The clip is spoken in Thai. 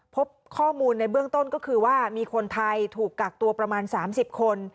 พบข้อมูลในเบื้องต้นก็คือว่ามีคนไทยถูกกักตัวประมาณ๓๐คน